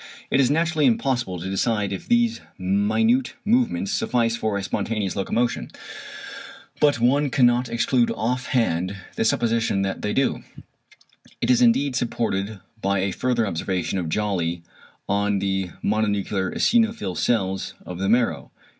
It is naturally impossible to decide if these minute movements suffice for a spontaneous locomotion. But one cannot exclude off hand the supposition that they do. It is indeed supported by a further observation of Jolly on the mononuclear eosinophil cells of the marrow.